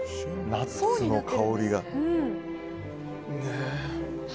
ナッツの香りが。